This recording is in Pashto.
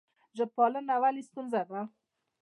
ژب پالنه ولې ستونزه ده؟